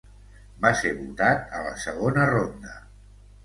Va ser votat a la segona ronda.